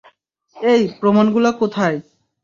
এই, প্রমাণগুলো কোথায়?